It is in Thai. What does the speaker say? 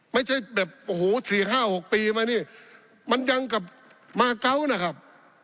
ไม่ใช่แบบโอ้โห๔๕๖ปีมานี่มันยังกับมาเกาะนะครับ